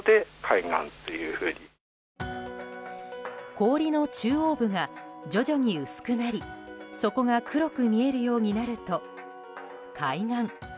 氷の中央部が徐々に薄くなりそこが黒く見えるようになると開眼。